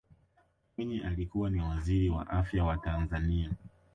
mwinyi alikuwa ni waziri wa afya wa tanzania